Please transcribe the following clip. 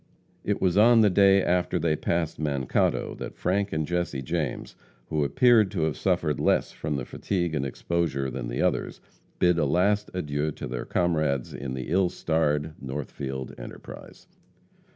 It was on the day after they passed Mankato that Frank and Jesse James, who appeared to have suffered less from the fatigue and exposure than the others, bid a last adieu to their comrades in the ill starred Northfield enterprise.